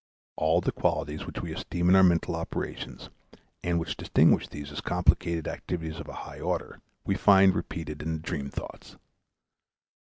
All the qualities which we esteem in our mental operations, and which distinguish these as complicated activities of a high order, we find repeated in the dream thoughts.